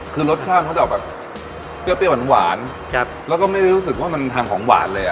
คือรสชาติเขาจะออกแบบเปรี้ยเปรี้ยวหวานหวานครับแล้วก็ไม่ได้รู้สึกว่ามันทานของหวานเลยอ่ะ